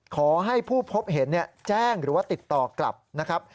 ขอให้ผู้พบเห็นแจ้งหรือว่าติดต่อกลับนะครับ